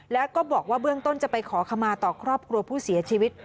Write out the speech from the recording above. แล้วก็บอกว่าเบื้องต้นจะไปขอขมาต่อครอบครัวผู้เสียชีวิต